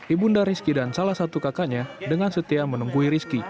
ibu nda rizki dan salah satu kakaknya dengan setia menunggu rizki